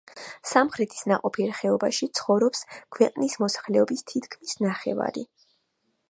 სამხრეთის ნაყოფიერ ხეობებში ცხოვრობს ქვეყნის მოსახლეობის თითქმის ნახევარი.